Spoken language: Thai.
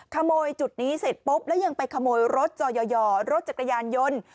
ขโมยจุดนี้เสร็จปุ๊บแล้วยังไปขโมยรถจอย่อรถจักรยานยนต์